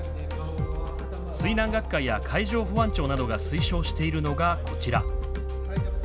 水難学会や海上保安庁などが推奨しているのがこちら。